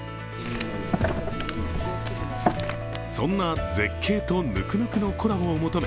そんな絶景とぬくぬくのコラボを求め、